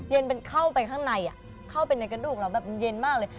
เย็นมันเข้าไปข้างในเข้าไปในกระดูกเราแบบเย็นมากเลย